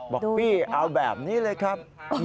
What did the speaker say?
บอกพี่เอาแบบนี้เลยครับ